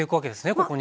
ここに。